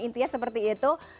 intinya seperti itu